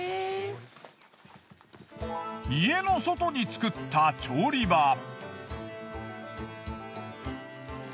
家の外に作った調理場。